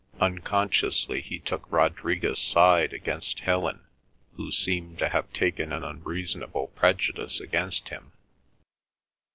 Unconsciously he took Rodriguez' side against Helen, who seemed to have taken an unreasonable prejudice against him.